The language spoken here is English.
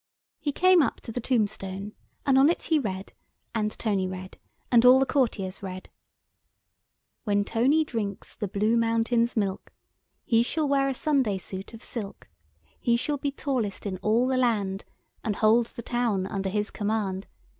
] He came up to the tombstone, and on it he read, and Tony read, and all the courtiers read:— "When Tony drinks the Blue Mountain's milk He shall wear a Sunday suit of silk. He shall be tallest in all the Land, And hold the town under his command.